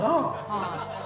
はい。